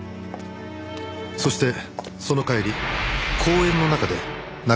そしてその帰り公園の中で中嶋を目撃。